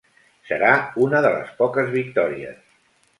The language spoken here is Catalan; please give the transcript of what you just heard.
Serà una de les poques victòries.